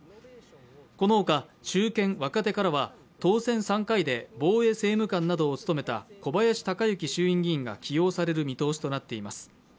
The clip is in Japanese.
このほか、中堅・若手から当選３回で防衛政務官などを務めた小林鷹之衆院議員が起用される見通しとなっています。